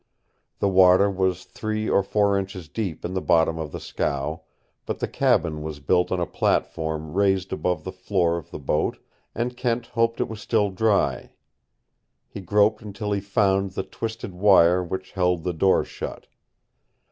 The water was three or four inches deep in the bottom of the scow, but the cabin was built on a platform raised above the floor of the boat, and Kent hoped it was still dry. He groped until he found the twisted wire which held the door shut.